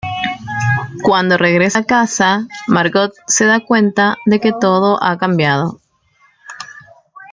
Cuándo regresa a casa, Margot se da cuenta de que todo ha cambiado.